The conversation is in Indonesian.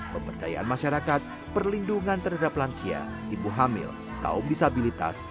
pemberdayaan masyarakat perlindungan terhadap lansia ibu hamil kaum disabilitas